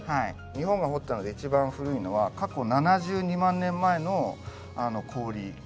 日本が掘ったので一番古いのは過去７２万年前の氷が掘れて。